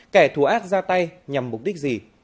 kẻ thù ác ra tay nhằm mục đích gì